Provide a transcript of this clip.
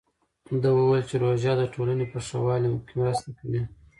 ده وویل چې روژه د ټولنې په ښه والي مرسته کوي.